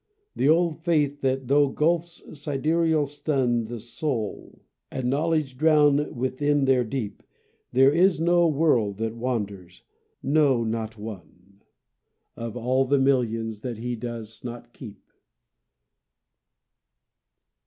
The old faith that tho gulfs sidereal stun The soul, and knowledge drown within their deep, There is no world that wanders, no not one Of all the millions, that He does not keep.